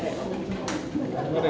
頑張れ！